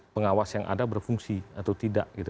pengawas yang ada berfungsi atau tidak gitu